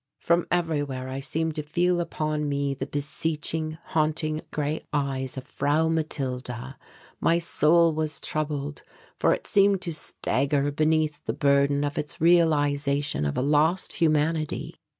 From everywhere I seemed to feel upon me the beseeching, haunting grey eyes of Frau Matilda. My soul was troubled, for it seemed to stagger beneath the burden of its realization of a lost humanity.